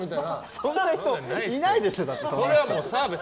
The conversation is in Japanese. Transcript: そんな人いないでしょ。